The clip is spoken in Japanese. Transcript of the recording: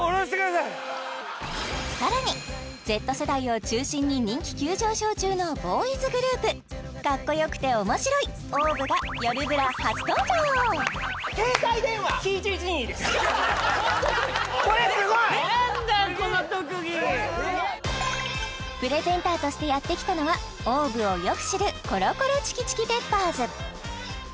さらにＺ世代を中心に人気急上昇中のボーイズグループかっこよくておもしろいＯＷＶが「よるブラ」初登場プレゼンターとしてやってきたのはＯＷＶをよく知るコロコロチキチキ